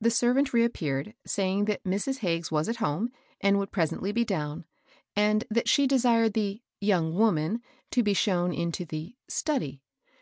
The servant reappeared, saying that Mrs. Hag ges was at home, and would presently be down, and that she desired the " young woman " to be shown into the " study."